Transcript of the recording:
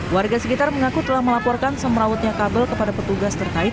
warga sekitar mengaku telah melaporkan semerautnya kabel kepada petugas terkait